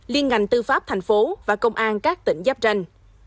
liên ngành tư pháp thành phố và công an các tỉnh giáp tranh